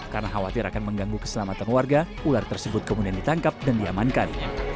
karena khawatir akan mengganggu keselamatan warga ular tersebut kemudian ditangkap dan diamankan